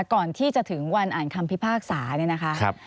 ก่อนที่จะถึงวันอ่านคำพิพากษาเนี่ยนะคะ